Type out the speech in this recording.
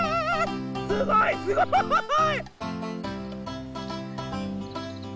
すごいすごい！